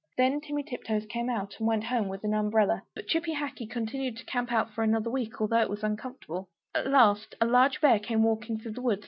Then Timmy Tiptoes came out, and went home with an umbrella. But Chippy Hackee continued to camp out for another week, although it was uncomfortable. At last a large bear came walking through the wood.